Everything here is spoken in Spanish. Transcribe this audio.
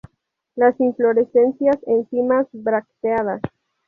Las inflorescencias en cimas bracteadas.